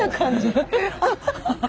ハハハハ！